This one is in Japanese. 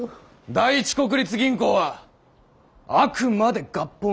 第一国立銀行はあくまで合本銀行だ。